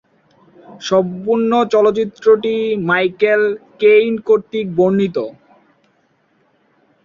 সম্পূর্ণ চলচ্চিত্রটি Michael Caine কর্তৃক বর্ণিত।